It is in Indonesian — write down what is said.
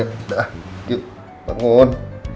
yuk dah yuk bangun